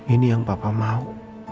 ini yang papa mau